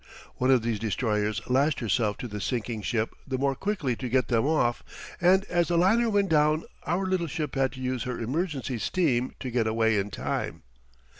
One of these destroyers lashed herself to the sinking ship the more quickly to get them off; and as the liner went down our little ship had to use her emergency steam to get away in time.